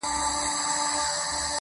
درست = واړه، ټول، تمام